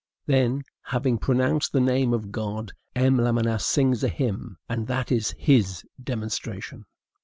Then, having pronounced the name of God, M. Lamennais sings a hymn; and that is his demonstration!